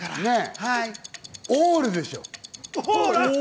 オールでしょ？